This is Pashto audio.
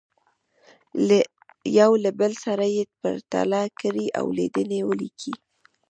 یو له بل سره یې پرتله کړئ او لیدنې ولیکئ.